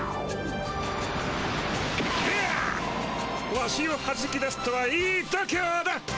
わしをはじき出すとはいい度きょうだ。